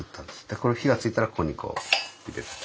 これ火がついたらここにこう入れると。